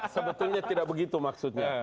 sebetulnya tidak begitu maksudnya